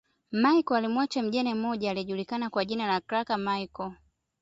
Machel alimuacha mjane mmoja aliyejulikana kwa jina la Graca Michael